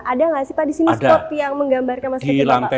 ada nggak sih pak di siniskop yang menggambarkan masa kecil bapak